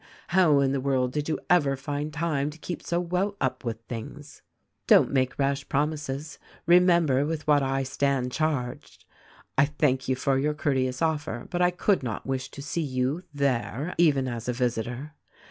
'How in the world did you ever find time to keep so well up with things?' " 'Don't make rash promises ; remember with what I stand charged. I thank you for your courteous offer — but I could not wish to see you, there, even as a visitor.